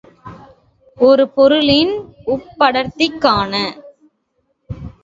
ஒரு பொருளின் ஒப்படர்த்தி காண.